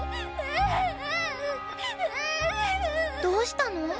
どうしたの？